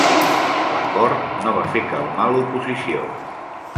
L'acord no va fer calmar l'oposició.